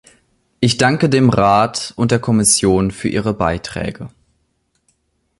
Ich danke dem Rat und der Kommission für ihre Beiträge.